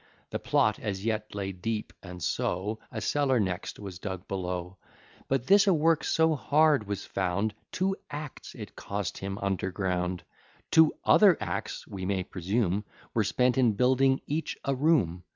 The plot as yet lay deep; and so A cellar next was dug below; But this a work so hard was found, Two acts it cost him under ground. Two other acts, we may presume, Were spent in building each a room.